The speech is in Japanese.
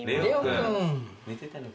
寝てたのかな？